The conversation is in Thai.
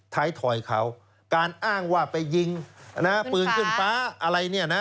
ถอยเขาการอ้างว่าไปยิงปืนขึ้นฟ้าอะไรเนี่ยนะ